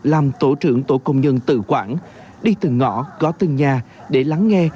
làm tổ trưởng tổ công nhân tự quản đi từ ngõ có từ nhà để lắng nghe